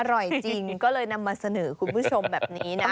อร่อยจริงก็เลยนำมาเสนอคุณผู้ชมแบบนี้นะ